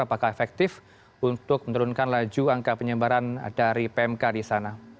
apakah efektif untuk menurunkan laju angka penyebaran dari pmk di sana